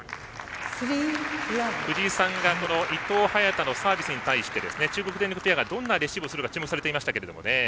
藤井さんが伊藤、早田のサービスに対して中国電力ペアがどんなレシーブをするか注目されていましたが。